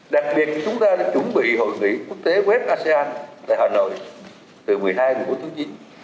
đặc biệt chúng ta đã chuẩn bị hội nghị quốc tế wf asean tại hà nội từ một mươi hai tháng chín